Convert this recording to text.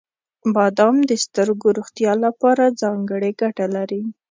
• بادام د سترګو روغتیا لپاره ځانګړې ګټه لري.